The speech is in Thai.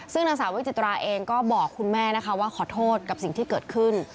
ซึ่งนางสาววิจิตราเองก็บอกคุณแม่นะคะว่าขอโทษกับสิ่งที่เกิดขึ้น